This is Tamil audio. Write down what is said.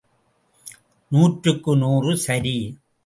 நூற்றுக்கு நூறு சரி!